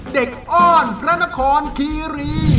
อ้อนพระนครคีรี